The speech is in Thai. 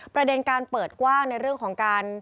ประเด็นการเปิดกว้างในเรื่องของการ